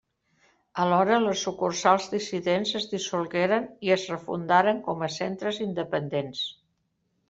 Alhora, les sucursals dissidents es dissolgueren i es refundaren com a centres independents.